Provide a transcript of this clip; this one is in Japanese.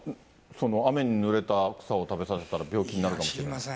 雨にぬれた草を食べさせたら病気になるかもしれないって。